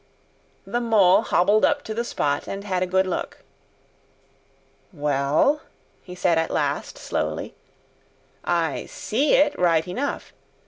The Mole hobbled up to the spot and had a good look. "Well," he said at last, slowly, "I SEE it right enough.